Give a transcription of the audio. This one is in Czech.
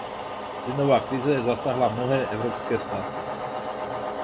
Plynová krize zasáhla mnohé evropské státy.